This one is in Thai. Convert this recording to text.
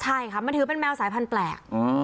ใช่ค่ะมันถือเป็นแมวสายพันธุ์แปลก